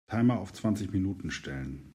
Timer auf zwanzig Minuten stellen.